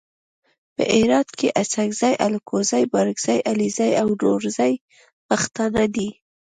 په هرات کې اڅګزي الکوزي بارګزي علیزي او نورزي پښتانه دي.